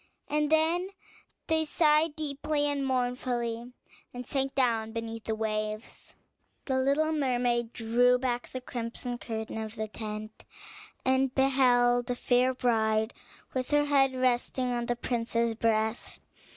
And then they sighed deeply and mournfully, and sank down beneath the waves. The little mermaid drew back the crimson curtain of the tent, and beheld the fair bride with her head resting on the prince's breast.